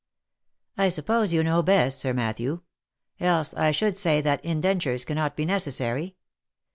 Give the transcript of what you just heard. " I suppose you know best, Sir Matthew ; else I should say that indentures cannot be necessary.